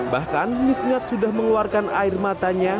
bahkan misngat sudah mengeluarkan air matanya